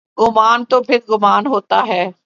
گمان تو پھرگمان ہوتا ہے۔